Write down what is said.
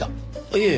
いえ。